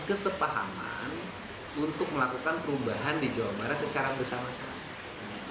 kesepahaman untuk melakukan perubahan di jawa barat secara bersama sama